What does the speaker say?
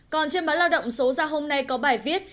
còn trên bản lao động số gia hôm nay có bài viết